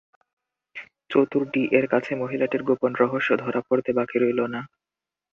চতুর ডি-এর কাছে মহিলাটির গোপন রহস্য ধরা পড়তে বাকি রইল না।